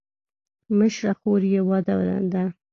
مشره خور یې واده ده.